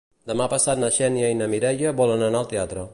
Demà passat na Xènia i na Mireia volen anar al teatre.